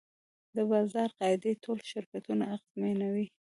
د بازار قاعدې ټول شرکتونه اغېزمنوي.